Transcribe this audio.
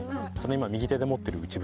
今右手で持ってる。